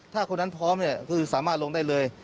ถ้าคนนั้นพร้อมเนี่ยคือสามารถลงได้เลย